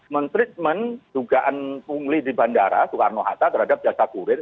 men treatment dugaan pungli di bandara soekarno hatta terhadap jasa kurir